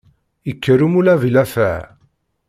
Ikker umulab i llafaɛ.